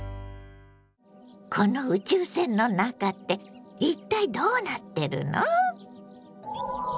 この宇宙船の中って一体どうなってるの？